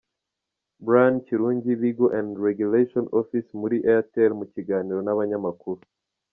Brian Kirungi Legal&Regulations office muri Airtel mu kiganiro n'abanyamakuru.